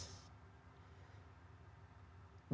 jadi nabi ditanya kenapa kau berpuasa